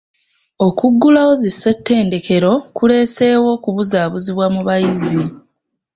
Okuggulawo zi ssettendekero kureeseewo okubuzaabuzibwa mu bayizi.